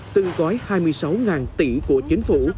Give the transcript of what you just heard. từ cói hai mươi sáu tỷ của chính phủ